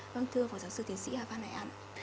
vâng thưa phó giáo sư tiến sĩ a phan hải an